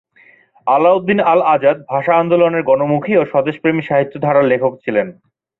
আলাউদ্দিন আল আজাদ ভাষা আন্দোলনের গণমুখী ও স্বদেশপ্রেমী সাহিত্যধারার লেখক ছিলেন।